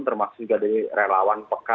termasuk juga dari relawan